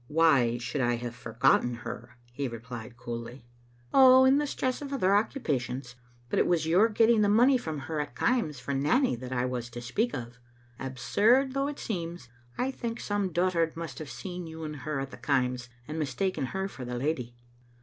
"Why should I have forgotten her?" he replied, coolly. " Oh, in the stress of other occupations. But it was your getting the money from her at the Kaims for Nanny that I was to speak of. Absurd though it seems, I think some dotard must have seen you and her at the Kaims, and mistaken her for the lady."